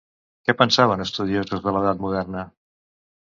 Què pensaven estudiosos de l'edat moderna?